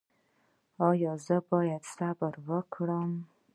ایا زه باید صبر وکړم؟